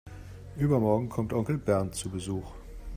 Übermorgen kommt Onkel Bernd zu Besuch.